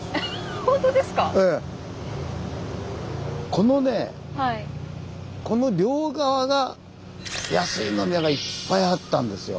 このねこの両側が安い飲み屋がいっぱいあったんですよ。